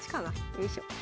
よいしょ。